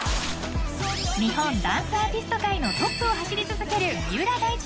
［日本ダンスアーティスト界のトップを走り続ける三浦大知